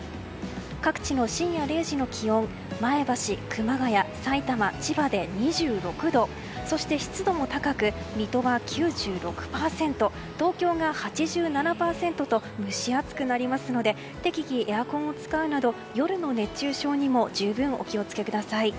各地の深夜０時の気温前橋、熊谷さいたま、千葉で２６度そして、湿度も高く水戸は９６％東京が８７％と蒸し暑くなりますので適宜エアコンを使うなど夜の熱中症にも十分、お気を付けください。